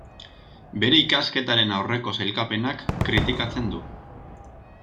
Bere ikasketaren aurreko sailkapenak kritikatzen du.